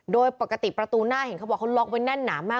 โดยปกติประตูหน้าเห็นเขาบอกเขาล็อกไว้แน่นหนามาก